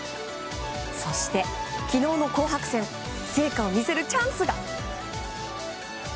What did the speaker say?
そして、昨日の紅白戦成果を見せるチャンスが。